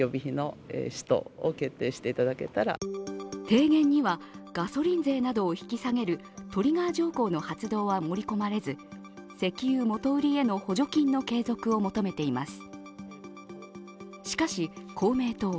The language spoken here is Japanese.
提言にはガソリン税などを引き下げるトリガー条項の発動は盛り込まれず石油元売りへの補助金の継続を求めています。